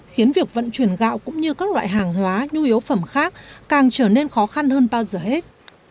khiến việc vận chuyển gạo cũng như các loại hàng hóa nhu yếu phẩm khác càng trở nên khó khăn hơn bao giờ hết